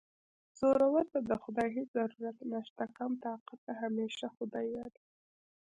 زورور ته د خدای هېڅ ضرورت نشته کم طاقته همېشه خدای یادوي